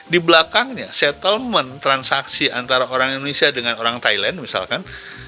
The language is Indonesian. di belakangnya settlement transaksi antara orang indonesia dengan orang thailand misalkan